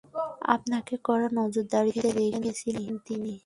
আপনাকে কড়া নজরদারীতে রেখেছিলেন তিনি।